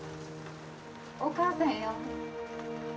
お母さんよ